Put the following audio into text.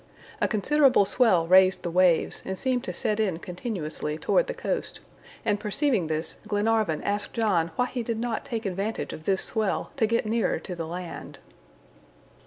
A considerable swell raised the waves, and seemed to set in continuously toward the coast, and perceiving this, Glenarvan asked John why he did not take advantage of this swell to get nearer to the land.